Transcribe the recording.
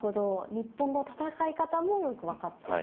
日本の戦い方もよく分かっている。